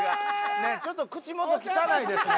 ちょっと口元汚いですね。